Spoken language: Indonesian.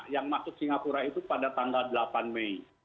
yang masuk singapura itu pada tanggal delapan mei